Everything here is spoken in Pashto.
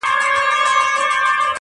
ضمیر غواړم چي احساس د سلګو راوړي,